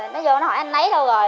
nó vô nó hỏi anh ấy đâu rồi